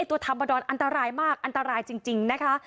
ตัวธรรมดรอันตรายมากอันตรายจริงนะคะ